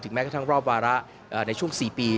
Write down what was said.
แม้กระทั่งรอบวาระในช่วง๔ปี